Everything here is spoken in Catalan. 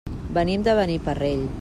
Venim de Beniparrell.